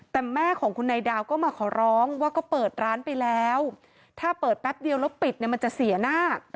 แต่แม่ของคุณนายดาวก็มาขอร้องว่าก็เปิดร้านไปแล้วถ้าเปิดแป๊บเดียวแล้วปิดเนี่ยมันจะเสียหน้า